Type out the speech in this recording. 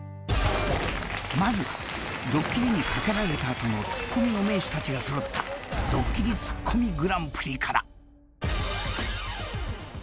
［まずドッキリにかけられた後のツッコミの名手たちが揃ったドッキリツッコミＧＰから］